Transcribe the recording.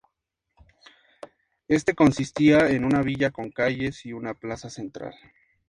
Este consistía en una villa con calles y una plaza central.